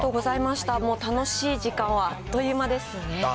もう楽しい時間はあっという間ですね。